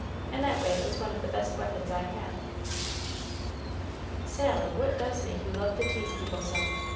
In that way it was one of the best weapons I had." "Sally, what does make you love to tease people so?"